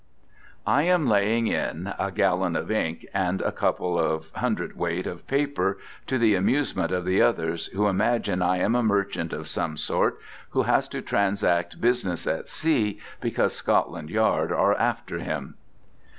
I am laying in a gallon of ink and a couple of cwt. of paper, to the amusement of the others, who imagine I am a merchant of some sort who has to transact business at sea because Scotland yard are alter him!